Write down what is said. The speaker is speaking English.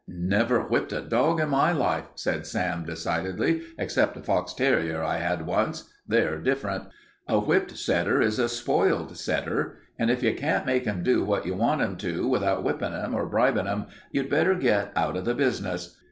"Never whipped a dog in my life," said Sam, decidedly, "except a fox terrier I had once. They're different. A whipped setter is a spoiled setter, and if you can't make 'em do what you want 'em to without whippin' 'em or bribin' 'em, you'd better get out of the business.